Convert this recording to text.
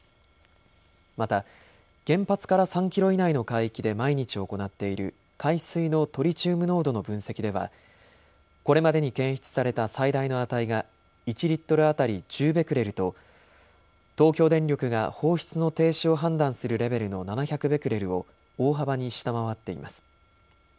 また原発から３キロ以内の海域で毎日行っている海水のトリチウム濃度の分析ではこれまでに検出された最大の値が１リットル当たり１０ベクレルと東京電力が放出の停止を判断するレベルの７００ベクレルを大幅に下回っています。